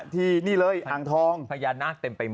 ที่นี่เลยอ่างทองพญานาคเต็มไปหมด